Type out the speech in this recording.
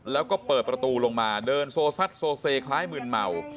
แล้วก็เปิดประตูลงมาเดินโซซัดโซเซคล้ายมืนเมา